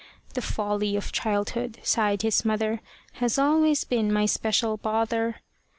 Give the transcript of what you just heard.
"The folly of childhood," sighed his mother, "Has always been my especial bother."